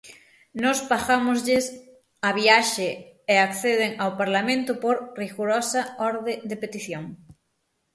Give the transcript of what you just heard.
Nós pagámoslles a viaxe e acceden ao Parlamento por rigorosa orde de petición.